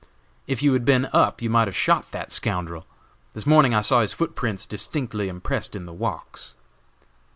If you had been up you might have shot that scoundrel. This morning I saw his footprints distinctly impressed in the walks."